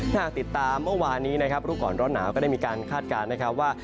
ถ้าหากติดตามเมื่อวานนี้นะครับรู้ก่อนร้อนหนาวก็ได้มีการคาดการณ์นะครับว่า